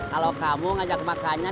kalau kamu ngajak makannya